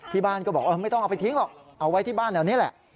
ที่บ้านก็บอกไม่ต้องเอาไปทิ้งหรอกเอาไว้ที่บ้านแถวนี้แหละ